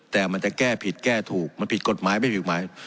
แต่มันจะแก้ผิดแก้ถูกมันผิดกฎหมายไม่ผิดหมาย